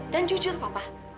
dan jujur papa